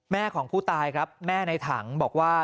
ของผู้ตายครับแม่ในถังบอกว่า